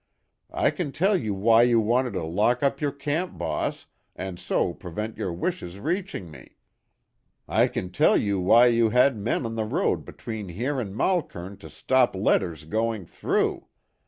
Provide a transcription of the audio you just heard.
I can tell you why you wanted to lock up your camp boss, and so prevent your wishes reaching me. I can tell you why you had men on the road between here and Malkern to stop letters going through.